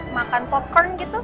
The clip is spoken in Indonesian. makan popcorn gitu